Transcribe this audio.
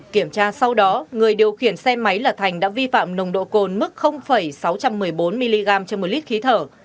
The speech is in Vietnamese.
kiểm tra sau đó người điều khiển xe máy là thành đã vi phạm nồng độ cồn mức sáu trăm một mươi bốn mg trên một lít khí thở